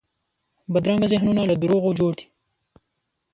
بدرنګه ذهنونه له دروغو جوړ دي